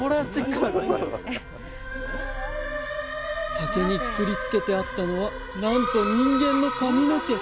竹にくくりつけてあったのはなんと人間の髪の毛！